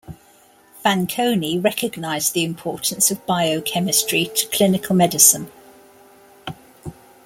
Fanconi recognized the importance of biochemistry to clinical medicine.